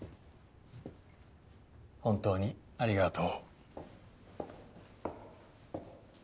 本当にありがとう。